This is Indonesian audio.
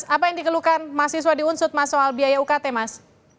apa yang dikeluhkan mahasiswa di unsut mas soal biaya ukt mas